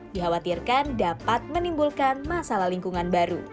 dikhawatirkan dapat menimbulkan masalah lingkungan baru